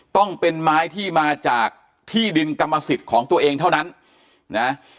ต้องเป็นไม้ที่มาจากที่ดินกรรมสิทธิ์ของตัวเองเท่านั้นนะ